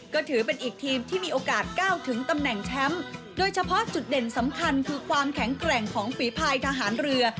ก็ถือเป็นอีกทีมที่มีโอกาสก้าวถึงตำแหน่งแชมป์โดยเฉพาะจุดเด่นสำคัญคือความแข็งแกร่งของฝีภายทหารเรือ